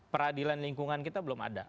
peradilan lingkungan kita belum ada